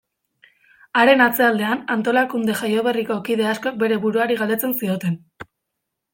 Haren atzealdean, antolakunde jaioberriko kide askok bere buruari galdetzen zioten.